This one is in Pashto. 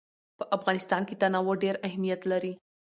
په افغانستان کې تنوع ډېر اهمیت لري.